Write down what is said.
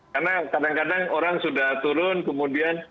karena kadang kadang orang sudah turun kemudian